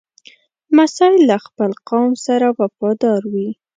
لمسی له خپل قوم سره وفادار وي.